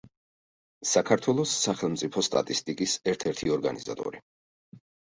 საქართველოს სახელმწიფო სტატისტიკის ერთ-ერთი ორგანიზატორი.